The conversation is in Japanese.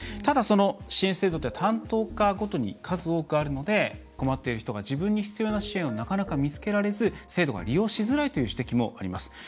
ただ、その支援制度というのは担当課ごとに数多くあるので困っている人が自分に必要な支援をなかなか見つけられず制度が利用しづらいという指摘もあります。